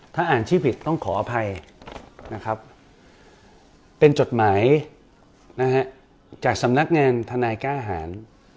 ถ้าอ่านชื่อผิดต้องขออภัยนะครับเป็นจดหมายจากสำนักงานทนายกล้าหาร